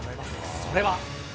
それは。